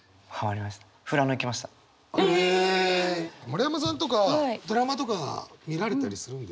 村山さんとかドラマとかは見られたりするんですか？